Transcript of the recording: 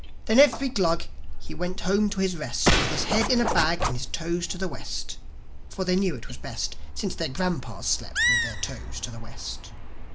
Then every Glug, he went home to his rest With his head in a bag and his toes to the West; For they knew it was best, Since their grandpas slept with their toes to the West.